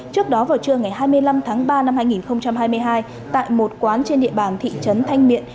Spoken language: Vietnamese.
trước đó vào trưa ngày hai mươi năm tháng ba năm hai nghìn hai mươi hai tại một quán trên địa bàn thị trấn thanh miện